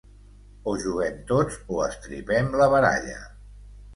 O juguem tots o estripem la baralla.